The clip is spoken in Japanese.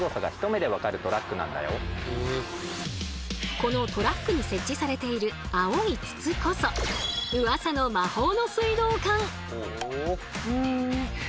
このトラックに設置されている青い筒こそうわさの魔法の水道管！